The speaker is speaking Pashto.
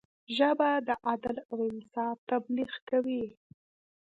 ژبه د عدل او انصاف تبلیغ کوي